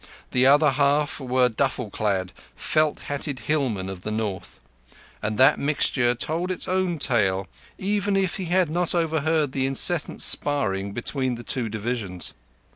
The other half were duffle clad, felt hatted hillmen of the North; and that mixture told its own tale, even if he had not overheard the incessant sparring between the two divisions.